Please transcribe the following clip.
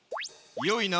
よいな？